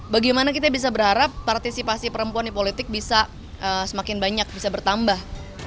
bagaimana kita bisa berharap partisipasi perempuan di politik bisa semakin banyak bisa bertambah